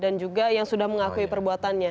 dan juga yang sudah mengakui perbuatannya